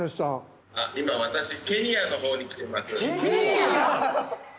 今私ケニアの方に来ています。